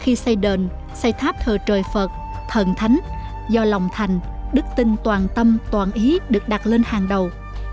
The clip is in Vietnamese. nhưng với chúng tôi sự trương tồn của người xưa khi xây đền xây tháp thờ trời phật thần thánh do lòng thành đức tinh toàn tâm toàn ý được đặt lên hàng đầu